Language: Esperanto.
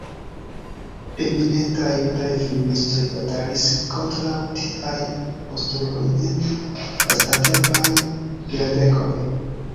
Eminentaj Judaj feministoj batalis kontraŭ tiaj postuloj en lastatempaj jardekoj.